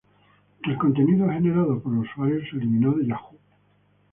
El contenido generado por los usuarios se eliminó de Yahoo!